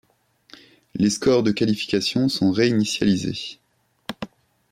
Les scores de qualifications sont réinitialisés.